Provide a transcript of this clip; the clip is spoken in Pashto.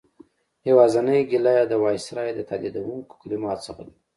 یوازینۍ ګیله یې د وایسرا د تهدیدوونکو کلماتو څخه ده.